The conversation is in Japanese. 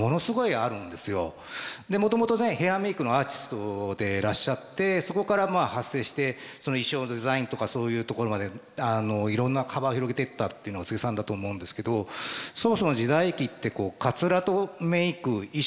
もともとねヘアメークのアーティストでいらっしゃってそこから派生して衣装デザインとかそういうところまでいろんな幅を広げてったっていうのが柘植さんだと思うんですけどそもそも時代劇ってかつらとメーク衣装